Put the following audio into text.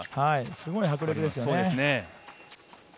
すごい迫力ですね。